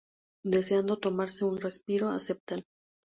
Deseando tomarse un respiro, aceptan.